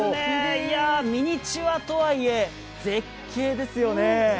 いやー、ミニチュアとはいえ絶景ですよね。